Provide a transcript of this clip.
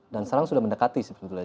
dan sekarang sudah mendekati sih